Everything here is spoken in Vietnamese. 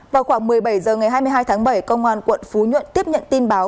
vào khoảng một mươi bảy h ngày hai mươi hai tháng bảy công an quận phú nhuận tiếp nhận tin báo